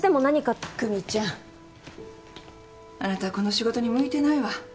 久実ちゃんあなたこの仕事に向いてないわ。